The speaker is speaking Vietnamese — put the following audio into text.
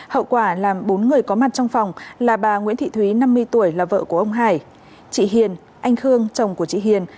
hậu quả làm bốn người có mặt trong phòng là bà nguyễn thị thúy năm mươi tuổi là vợ của ông hải chị hiền anh khương chồng của chị hiền